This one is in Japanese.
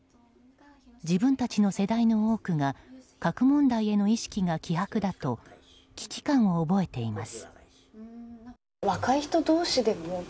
自分たちの世代の多くが核問題への意識が希薄だと危機感を覚えています。